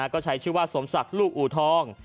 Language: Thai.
ก็ใช้ชื่อว่าสมศักดิ์ลูกอูทอง